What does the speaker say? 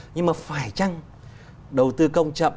nhưng mà phải chăng đầu tư công chậm